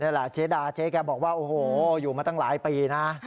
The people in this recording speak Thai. เจ๊ดาเจ๊แกบอกว่าโอ้โหอยู่มาตั้งหลายปีนะ